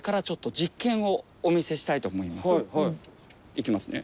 いきますね。